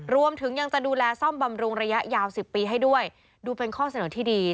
รวมถึงยังจะดูแลซ่อมบำรุงระยะยาว๑๐ปีให้ด้วยดูเป็นข้อเสนอที่ดี